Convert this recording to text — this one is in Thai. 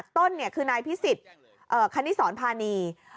ต้นคือนายพิสิทธิ์คณิสรพานี